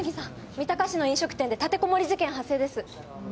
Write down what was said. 三鷹市の飲食店で立てこもり事件発生です